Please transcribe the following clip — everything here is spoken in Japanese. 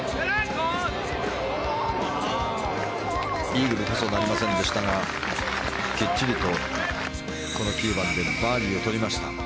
イーグルこそなりませんでしたがきっちりと９番でバーディーをとりました。